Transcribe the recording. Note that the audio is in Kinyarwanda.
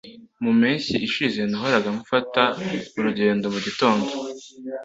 Mu mpeshyi ishize nahoraga mfata urugendo mugitondo